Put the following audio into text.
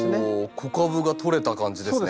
子株が取れた感じですね。